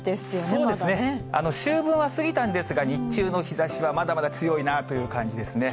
そうですね、秋分は過ぎたんですが、日中の日ざしはまだまだ強いなという感じですね。